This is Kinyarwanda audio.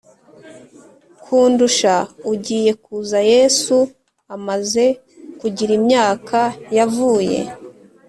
Kundusha ugiye kuza yesu amaze kugira imyaka yavuye